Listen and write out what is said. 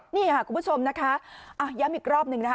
นี่ค่ะคุณผู้ชมนะคะย้ำอีกรอบหนึ่งนะคะ